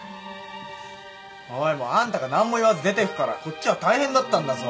おいもうあんたが何も言わず出てくからこっちは大変だったんだぞ。